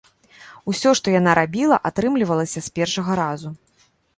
Усё, што яна рабіла, атрымлівалася з першага разу.